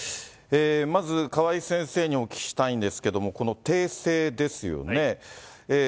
まず、川井先生にお聞きしたいんですけども、この訂正ですよね。